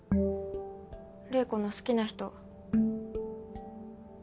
怜子の好きな人。